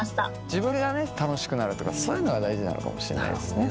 自分がね楽しくなるとかそういうのが大事なのかもしれないですね。